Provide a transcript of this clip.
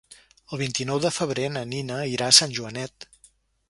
El vint-i-nou de febrer na Nina irà a Sant Joanet.